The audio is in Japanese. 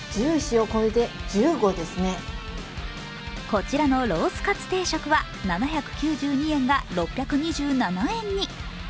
こちらのロースカツ定食は７９２円が６２７円に。